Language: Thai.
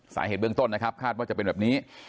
สาเหตุเบื้องต้นนะครับคาดว่าจะเป็นแบบนี้